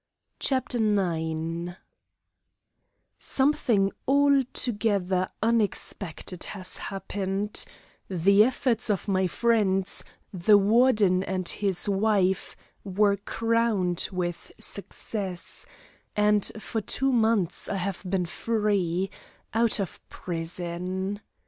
CHAPTER IX Something altogether unexpected has happened; the efforts of my friends, the Warden and his wife, were crowned with success, and for two months I have been free, out of prison.